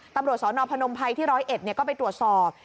ตำรวจสอนอพนมไพที่ร้อยเอ็ดเนี่ยก็ไปตรวจสอบ